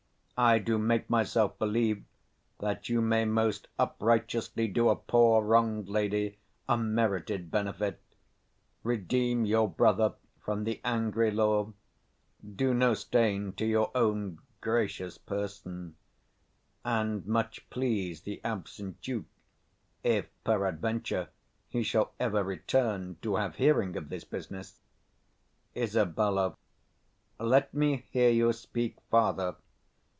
I do make myself believe that you may most uprighteously do a poor wronged lady a merited benefit; redeem your brother from the angry law; do no stain to your own gracious person; and much please the absent Duke, if peradventure 195 he shall ever return to have hearing of this business. Isab. Let me hear you speak farther.